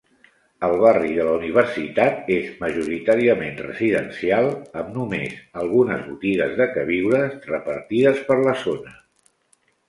El barri de la Universitat és majoritàriament residencial, amb només algunes botigues de queviures repartides per la zona.